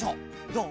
どう？